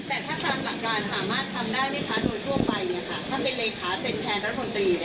แต่ถ้าตามหลักการสามารถทำได้ไหมคะโดยทั่วไปถ้าเป็นเลขาเซ็นแทนรัฐมนตรี